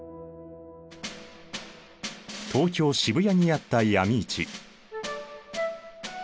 東京・渋谷にあった闇市。